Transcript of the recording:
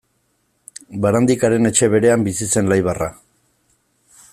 Barandikaren etxe berean bizi zen Laibarra.